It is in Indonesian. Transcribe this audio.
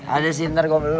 ada sih ntar gue beli dulu